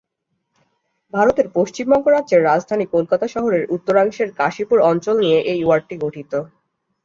ভারতের পশ্চিমবঙ্গ রাজ্যের রাজধানী কলকাতা শহরের উত্তরাংশের কাশীপুর অঞ্চল নিয়ে এই ওয়ার্ডটি গঠিত।